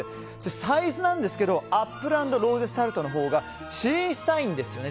サイズなんですがアップル＆ローゼスタルトのほうが小さいんですよね。